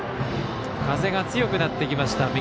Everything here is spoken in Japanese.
風が強くなってきました。